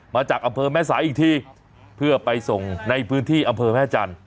มาจากอำเภอแม่สายอีกทีเพื่อไปส่งในพื้นที่อำเภอแม่จันทร์